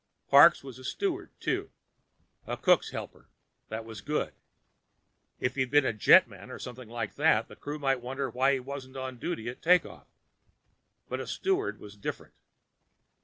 Parks was a steward, too. A cook's helper. That was good. If he'd been a jetman or something like that, the crew might wonder why he wasn't on duty at takeoff. But a steward was different.